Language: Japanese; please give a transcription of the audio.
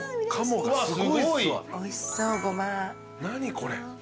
何これ？